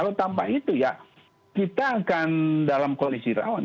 kalau tanpa itu ya kita akan dalam kualisirawan